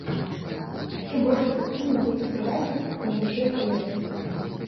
І чым больш эфектыўны будзе прыватнік, тым вышэй залежнасць.